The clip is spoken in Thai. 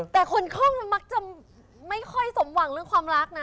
แต่คนคล่องมันมักจะไม่ค่อยสมหวังเรื่องความรักนะ